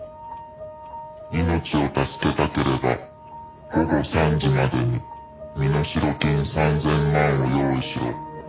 「命を助けたければ午後３時までに身代金３０００万を用意しろ」